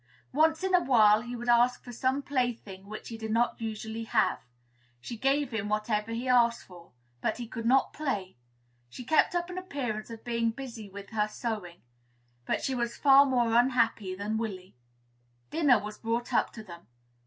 Once in a while he would ask for some plaything which he did not usually have. She gave him whatever he asked for; but he could not play. She kept up an appearance of being busy with her sewing, but she was far more unhappy than Willy. Dinner was brought up to them.